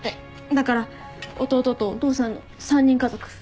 だから弟とお父さんの３人家族。